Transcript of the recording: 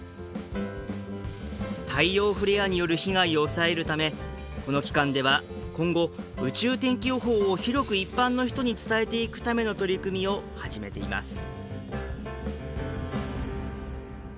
太陽フレアによる被害を抑えるためこの機関では今後宇宙天気予報を広く一般の人に伝えていくための取り組みを始めています。